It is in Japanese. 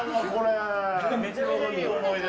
めちゃくちゃいい思い出